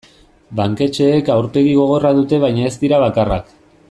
Banketxeek aurpegi gogorra dute baina ez dira bakarrak.